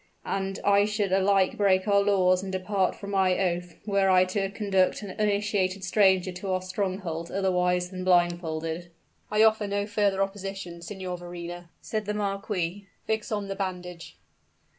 And I should alike break our laws and depart from my oath, were I to conduct an uninitiated stranger to our stronghold otherwise than blindfolded." "I offer no further opposition, Signor Verrina," said the marquis. "Fix on the bandage."